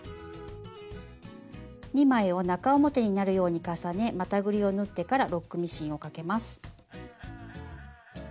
２枚を中表になるように重ねまたぐりを縫ってからロックミシンをかけます。